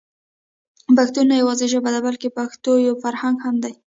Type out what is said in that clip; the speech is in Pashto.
پښتو نه يوازې ژبه ده بلکې پښتو يو فرهنګ هم دی.